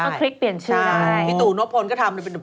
แล้วก็คลิกเปลี่ยนชื่อได้อ๋อพี่ตูนพลก็ทำ